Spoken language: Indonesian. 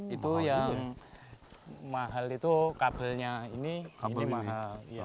itu yang mahal itu kabelnya ini mahal